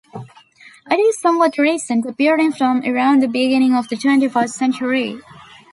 It is somewhat recent, appearing from around the beginning of the twenty-first century.